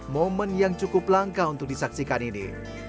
momen yang cukup langka untuk disaksikan ini